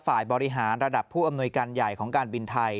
ฝ่ายบริหารระดับผู้อำนวยการใหญ่ของการบินไทย